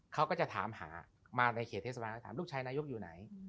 เขาก็จะถามหามาในเขตเทศบาลแล้วถามลูกชายนายกอยู่ไหน